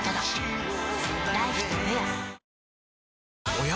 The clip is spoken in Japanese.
おや？